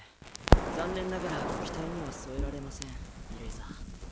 残念ながらご期待には添えられませんイレイザー。